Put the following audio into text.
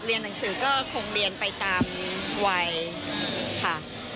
หนังสือก็คงเรียนไปตามวัยค่ะ